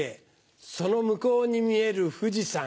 その向こうに見える富士山。